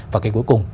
và cái cuối cùng